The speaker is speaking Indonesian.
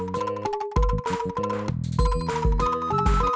tapi di otak akang